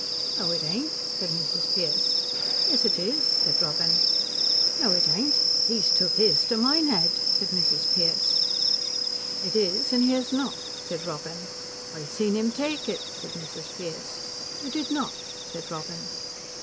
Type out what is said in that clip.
"No it ain't," said Mrs. Pearce. "Yes it is," said Robin. "No it ain't. He's took his to Minehead," said Mrs. Pearce. "It is, and he has not," said Robin. "I see him take it," said Mrs. Pearce. "You did not," said Robin.